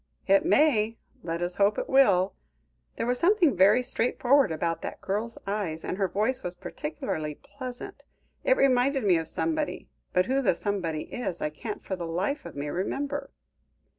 "It may. Let us hope it will. There was something very straightforward about that girl's eyes, and her voice was particularly pleasant. It reminded me of somebody, but who the somebody is I can't for the life of me remember."